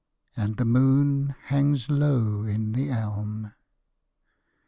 And the moon hangs low in the elm.